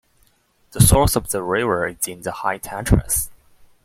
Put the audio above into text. The source of the river is in the High Tatras.